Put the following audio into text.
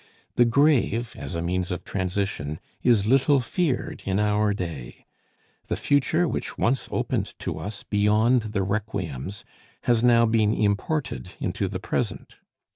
The grave, as a means of transition, is little feared in our day. The future, which once opened to us beyond the requiems, has now been imported into the present.